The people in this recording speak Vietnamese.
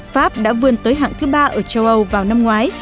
pháp đã vươn tới hạng thứ ba ở châu âu vào năm ngoái